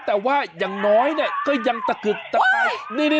แต่ว่าอย่างน้อยเนี่ยก็ยังตะกึกตะกาย